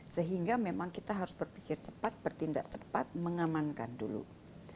sehingga memang kita harus berpikir cepat bertindak cepat mengamankan dulu